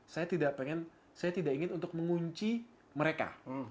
saya tidak ingin untuk mengunci mereka